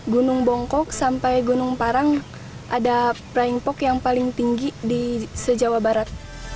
gunung bongkok sampai gunung parang ada flying fox yang paling tinggi di sejauh barat